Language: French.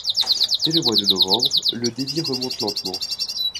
Dès le mois de novembre, le débit remonte lentement.